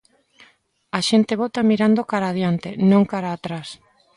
A xente vota mirando cara a adiante, non cara a atrás.